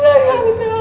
kita kedalam ya